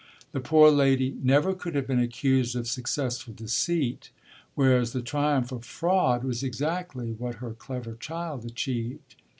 The poor lady never could have been accused of successful deceit, whereas the triumph of fraud was exactly what her clever child achieved.